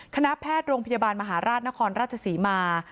คณะแพทย์โรงพยาบาลมหาราชนครราชศรีมา